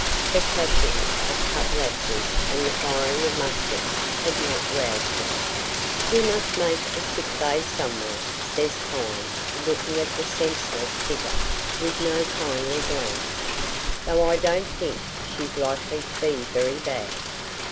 The clashing of cutlasses and the firing of muskets had not roused her. "We must make a sick bay somewhere," says Pine, looking at the senseless figure with no kindly glance; "though I don't think she's likely to be very bad.